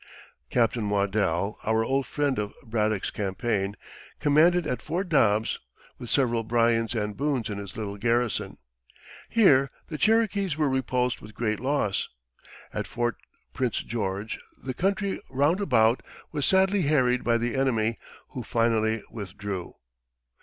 Captain Waddell, our old friend of Braddock's campaign, commanded at Fort Dobbs, with several Bryans and Boones in his little garrison. Here the Cherokees were repulsed with great loss. At Fort Prince George the country round about was sadly harried by the enemy, who finally withdrew.